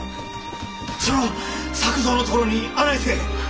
その作藏のところに案内せえ。